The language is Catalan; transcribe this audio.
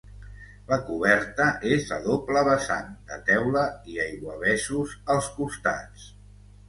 La coberta és a doble vessant, de teula i aiguavessos als costats.